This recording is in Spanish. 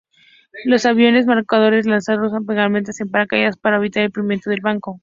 Los aviones marcadores lanzaron bengalas en paracaídas para marcar el perímetro del blanco.